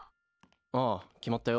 ああ決まったよ。